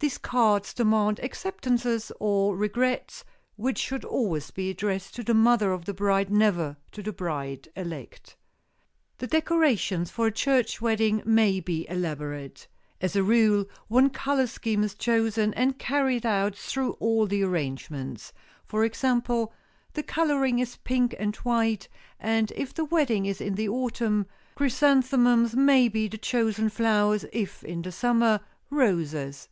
These cards demand acceptances or regrets, which should always be addressed to the mother of the bride, never to the bride elect. The decorations for a church wedding may be elaborate. As a rule, one color scheme is chosen, and carried out through all the arrangements. For example, the coloring is pink and white, and if the wedding is in the autumn, chrysanthemums may be the chosen flowers, if in the summer, roses.